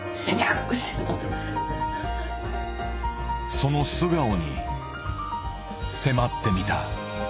その素顔に迫ってみた。